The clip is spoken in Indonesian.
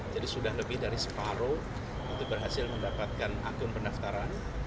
jadi sudah lebih dari separuh untuk berhasil mendapatkan akun pendaftaran